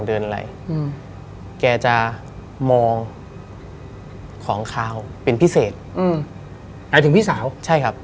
อะไรอืมแกจะมองของขาวเป็นพิเศษอืมหมายถึงพี่สาวใช่ครับ